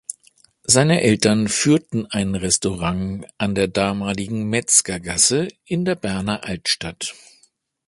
Seine Eltern führten ein Restaurant an der damaligen Metzgergasse in der Berner Altstadt.